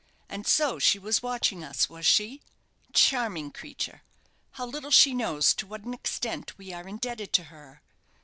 And so she was watching us, was she? Charming creature! how little she knows to what an extent we are indebted to her.